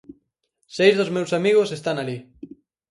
Seis dos meus amigos están alí.